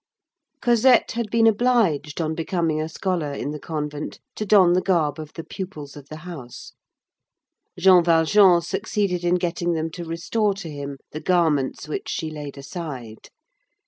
Cosette had been obliged, on becoming a scholar in the convent, to don the garb of the pupils of the house. Jean Valjean succeeded in getting them to restore to him the garments which she laid aside.